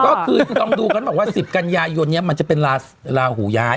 ก็คือจะต้องดูกันบอกว่า๑๐กันยายนนี้มันจะเป็นลาหูย้าย